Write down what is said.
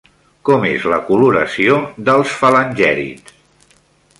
Com és la coloració dels falangèrids?